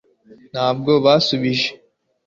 ntabwo basubije